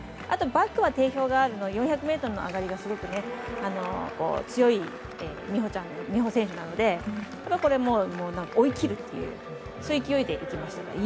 あと、バックは定評があるので４００ｍの上がりがすごく強い美帆選手なのでこれも追いきるというそういう勢いで行きました。